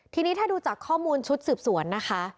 ทีนี้ถ้าดูจากข้อมูลชุดสืบสวนนะคะ